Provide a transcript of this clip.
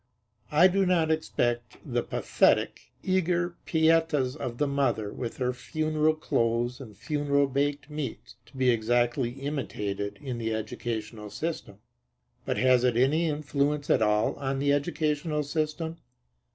I do not expect the pathetic, eager pietas of the mother, with her funeral clothes and funeral baked meats, to be exactly imitated in the educational system; but has it any influence at all on the educational system?